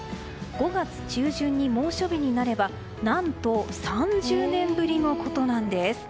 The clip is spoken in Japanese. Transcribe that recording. ５月中旬に猛暑日になれば何と、３０年ぶりのことなんです。